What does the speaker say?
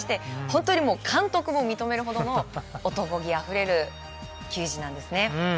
本当に、監督も認めるほどの男気あふれる球児なんですね。